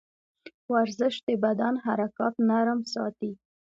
ورزش د بدن حرکات نرم ساتي.